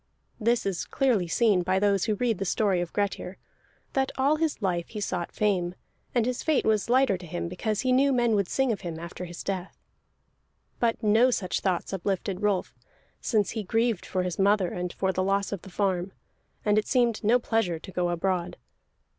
This is clearly seen by those who read the story of Grettir, that all his life he sought fame, and his fate was lighter to him because he knew men would sing of him after his death. But no such thoughts uplifted Rolf, since he grieved for his mother and for the loss of the farm, and it seemed no pleasure to go abroad.